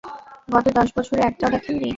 গত দশ বছরে একটাও দেখেন নি।